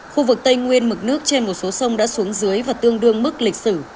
khu vực tây nguyên mực nước trên một số sông đã xuống dưới và tương đương mức lịch sử